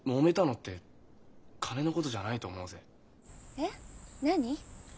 えっ何？